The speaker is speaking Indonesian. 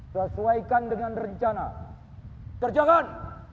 hai sesuaikan dengan rencana kerjakan